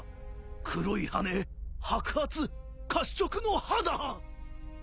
黒い羽根白髪褐色の肌。